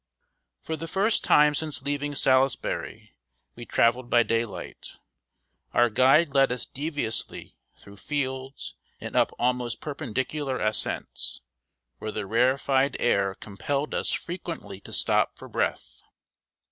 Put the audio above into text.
For the first time since leaving Salisbury we traveled by daylight. Our guide led us deviously through fields, and up almost perpendicular ascents, where the rarefied air compelled us frequently to stop for breath.